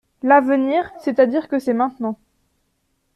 L’avenir, c’est-à-dire que c’est maintenant.